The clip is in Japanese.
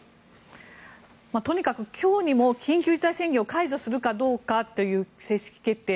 とにかく今日にも緊急事態宣言を解除するかどうかという正式決定。